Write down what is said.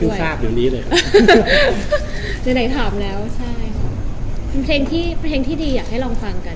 เพื่อนเดียวไม่ถามแล้วเป็นเพลงที่ดีอยากให้ลองฟังกัน